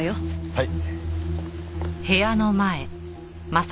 はい。